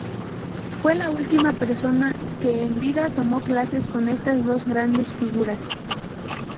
Fue la última persona que, en vida, tomó clases con estas dos grandes figuras.